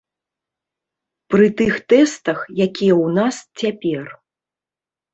Пры тых тэстах, якія ў нас цяпер.